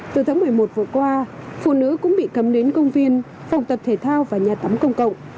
từ tháng một mươi một vừa qua phụ nữ cũng bị cấm đến công viên phòng tập thể thao và nhà tắm công cộng